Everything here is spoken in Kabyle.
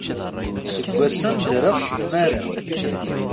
Seg wassen ddreɣ s tmara.